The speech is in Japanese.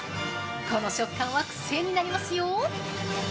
この食感は癖になりますよ。